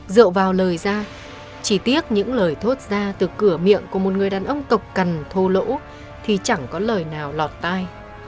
dựa vào lời ra chỉ tiếc những lời thốt ra từ cửa miệng của một người đàn ông cọc cần thô lỗ thì chẳng có lời nào lọt tai